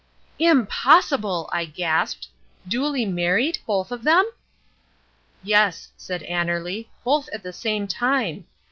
"Impossible!" I gasped; "duly married, both of them?" "Yes," said Annerly, "both at the same time.